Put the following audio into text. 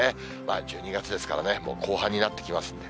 １２月ですからね、もう後半になってきますんで。